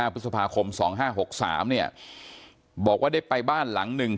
พฤษภาคม๒๕๖๓เนี่ยบอกว่าได้ไปบ้านหลังหนึ่ง